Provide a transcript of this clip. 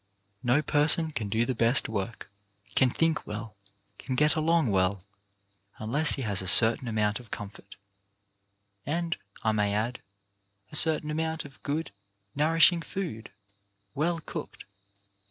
No person can do the best work, can think well, can get along well, unless he has a certain amount of comfort, and, I may add, a certain amount of good, nour ishing food, well cooked.